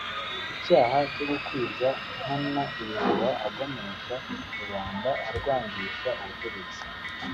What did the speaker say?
icyaha cyo gukwiza nkana ibihuha agomesha rubanda arwangisha ubutegetsi